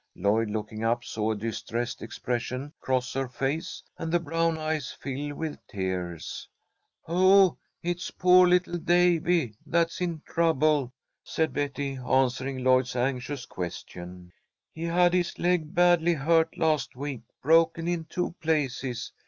Lloyd, looking up, saw a distressed expression cross her face and the brown eyes fill with tears. "Oh, it's poor little Davy that's in trouble," said Betty, answering Lloyd's anxious question. "He had his leg badly hurt last week, broken in two places.